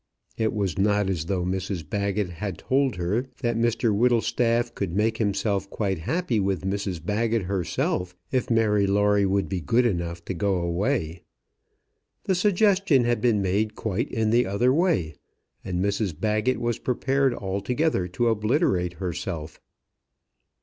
It was not as though Mrs Baggett had told her that Mr Whittlestaff could make himself quite happy with Mrs Baggett herself, if Mary Lawrie would be good enough to go away. The suggestion had been made quite in the other way, and Mrs Baggett was prepared altogether to obliterate herself.